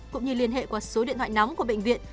cũng như liên hệ qua số điện thoại nóng của bệnh viện